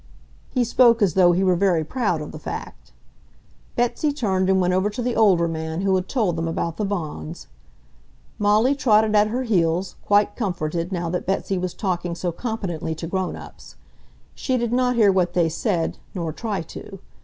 He spoke as though he were very proud of the fact. Betsy turned and went over to the older man who had told them about the Vaughans. Molly trotted at her heels, quite comforted, now that Betsy was talking so competently to grown ups. She did not hear what they said, nor try to.